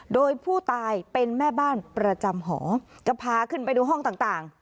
โดยผู้ตายเป็นแม่บ้านประจำหอจะพาขึ้นไปดูห้องต่าง